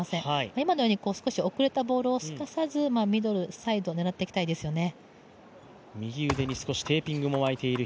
今のように少し遅れたボールをすかさずミドルサイドを狙っていきたいですよね。